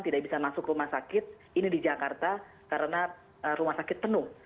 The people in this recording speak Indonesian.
tidak bisa masuk rumah sakit ini di jakarta karena rumah sakit penuh